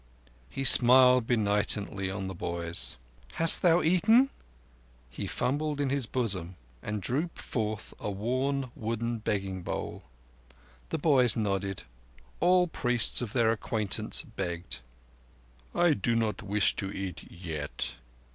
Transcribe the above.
He smiled benignantly on the boys. "Hast thou eaten?" He fumbled in his bosom and drew forth a worn, wooden begging bowl. The boys nodded. All priests of their acquaintance begged. "I do not wish to eat yet."